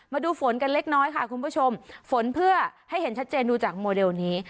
มาดูฝนกันเล็กน้อยค่ะคุณผู้ชมฝนเพื่อให้เห็นชัดเจนดูจากโมเดลนี้